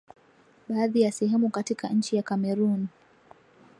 baadhi ya sehemu katika nchi ya Cameroon